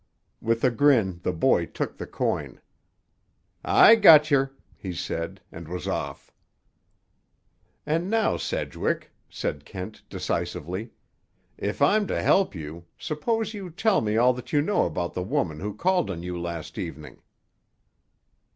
With a grin the boy took the coin. "I got yer," he said, and was off. "And now, Sedgwick," said Kent decisively, "if I'm to help you, suppose you tell me all that you know about the woman who called on you last evening?"